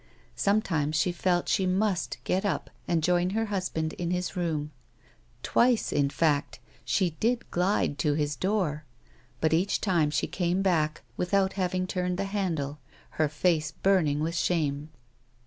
Sometimes she felt she must get up and join her husband in his room ; twice, in fact, she did glide to his door, but each time she came back, without having turned the handle, her face burning with shame.